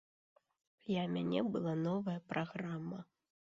Я мяне была новая праграма.